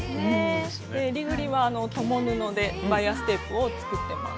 えりぐりは共布でバイアステープを作ってます。